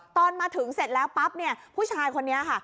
ตอนมาถึงเสร็จแล้วปั๊บเนี่ยผู้ชายคนนี้ค่ะ